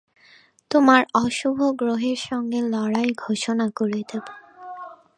তোমার অশুভগ্রহের সঙ্গে লড়াই ঘোষণা করে দেব।